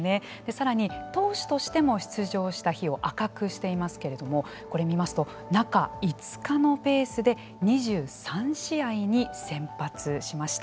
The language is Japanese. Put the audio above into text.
さらに投手としても出場した日を赤くしていますけれどもこれ見ますと中５日のペースで２３試合に先発しました。